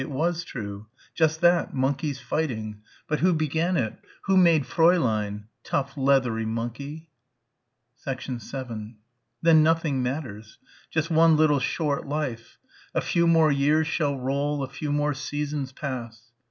It was true. Just that monkeys fighting. But who began it? Who made Fräulein? Tough leathery monkey.... 7 Then nothing matters. Just one little short life.... "A few more years shall roll ... A few more seasons pass...."